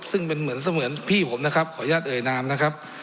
ซึ่งเป็นเหมือนเสมือนพี่ผมนะครับขออนุญาตเอ่ยนามนะครับ